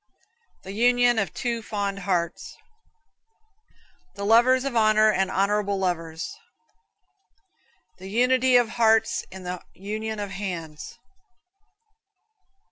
The union of two fond hearts. The lovers of honor, and honorable lovers. The unity of hearts in the union of hands.